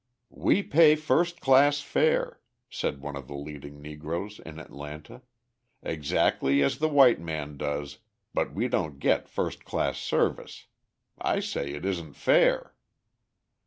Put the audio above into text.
"We pay first class fare," said one of the leading Negroes in Atlanta, "exactly as the white man does, but we don't get first class service. I say it isn't fair."